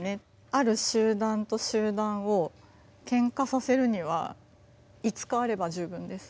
ある集団と集団をケンカさせるには５日あれば十分です。